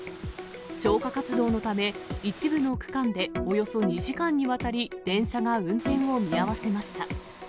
消火活動のため、一部の区間でおよそ２時間にわたり電車が運転を見合わせました。